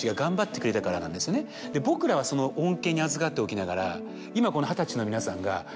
僕らはその恩恵にあずかっておきながら。